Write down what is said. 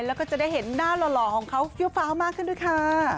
แล้วก็จะได้เห็นหน้าหล่อของเขาเฟี้ยวฟ้าวมากขึ้นด้วยค่ะ